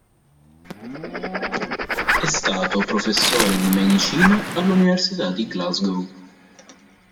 È stato professore di medicina all'Università di Glasgow.